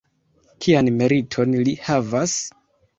Kian meriton li havas?